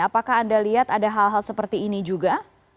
apakah anda lihat ada hal hal seperti ini juga